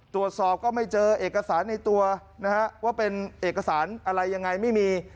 ตรวจสอบก็ไม่เจอเอกสารในตัวนะฮะว่าเป็นเอกสารอะไรยังไงไม่มี